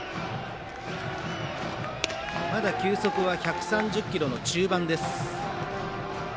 まだ球速は１３０キロ中盤です。